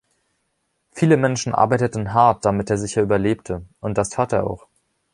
Viele Menschen arbeiteten hart, damit er sicher überlebte, und das tat er auch.